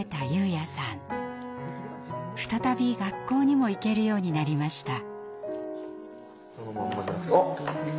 再び学校にも行けるようになりました。